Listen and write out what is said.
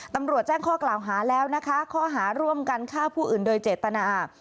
ตำรวจแจ้งข้อกล่าวหาแล้วนะคะข้อหาร่วมกันฆ่าผู้อื่นโดยเจตนา